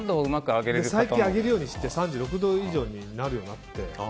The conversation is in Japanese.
最近上げるようにして３６度以上になるようになって。